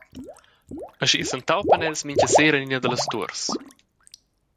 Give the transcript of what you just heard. Aschia s’entaupan els mintga sera en ina dallas tuors.